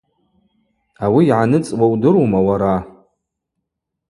Ауи йгӏаныцӏуа удырума уара?